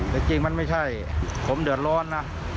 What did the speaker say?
แต่จริงมันไม่ใช่ผมเดือดร้อนนะ